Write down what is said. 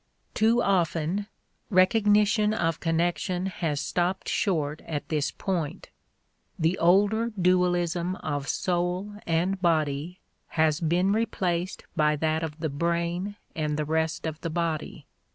Too often recognition of connection has stopped short at this point; the older dualism of soul and body has been replaced by that of the brain and the rest of the body.